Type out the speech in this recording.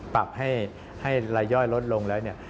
ปรับให้ระย่อยลดลงแล้ว